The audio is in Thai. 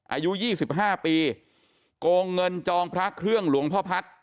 อายุยี่สิบห้าปีกงเงินจองพระเครื่องหลวงพ่อพัท